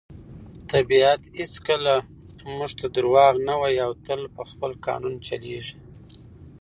طبیعت هیڅکله موږ ته دروغ نه وایي او تل په خپل قانون چلیږي.